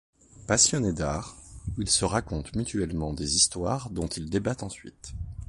Passionnés d'art, ils se racontent mutuellement des histoires dont ils débattent ensuite.